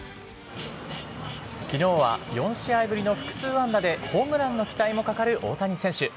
きのうは４試合ぶりの複数安打で、ホームランの期待もかかる大谷選手。